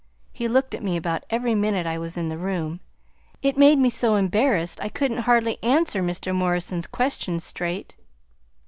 He looked at me about every minute I was in the room. It made me so embarrassed I couldn't hardly answer Mr. Morrison's questions straight."